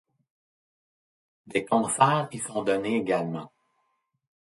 Des concerts y sont donnés également.